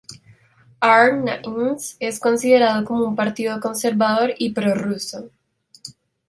Ar-Namys es considerado como un partido conservador y pro-ruso.